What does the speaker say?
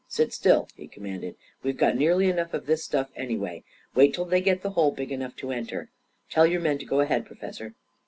" Sit still," he commanded. " We've got nearly enough of this stuff, anyway. Wait till they get the hole big enough to enter. Tell your men to go ahead, Professor."